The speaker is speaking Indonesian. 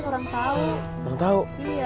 bang kurang tau